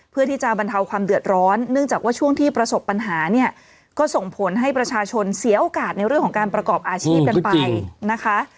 เพื่อที่จะบรรเทาความเดือดร้อนเนื่องจากว่าช่วงที่ประสบปัญหาเนี่ยก็ส่งผลให้ประชาชนเสียโอกาสในเรื่องของการประกอบอาชีพกันไปนะคะ